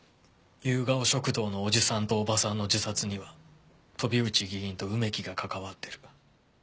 ゆうがお食堂のおじさんとおばさんの自殺には飛内議員と梅木が関わってる。